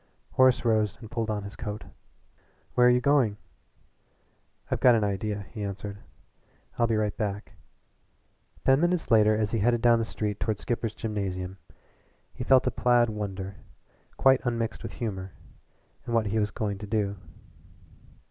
Horace rose and pulled on his coat. "Where are you going?" "I've got an idea," he answered. "I'll be right back." Ten minutes later as he headed down the street toward Skipper's Gymnasium he felt a placid wonder, quite unmixed with humor, at what he was going to do.